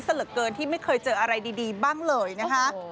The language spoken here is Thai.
เหลือเกินที่ไม่เคยเจออะไรดีบ้างเลยนะคะ